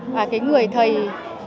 là cái người thần linh amounts